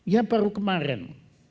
yang baru kemarin